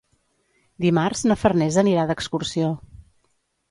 Dimarts na Farners anirà d'excursió.